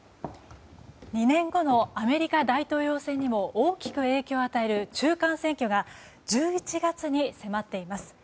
２年後のアメリカ大統領選にも大きく影響を与える中間選挙が１１月に迫っています。